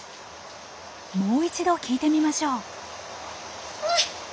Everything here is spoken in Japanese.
もう一度聞いてみましょう。